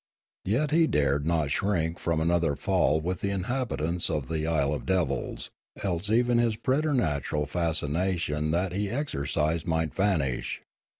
Yet he dared not shrink from another fall with the inhabitants of the Isle of Devils; else even this preternatural fascination that he exercised might vanish.